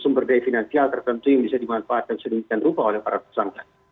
sumber daya finansial tertentu yang bisa dimanfaatkan sedemikian rupa oleh para tersangka